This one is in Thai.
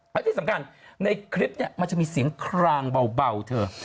และที่สำคัญในคลิปเนี่ยมันจะมีเสียงคลางเบาเธอ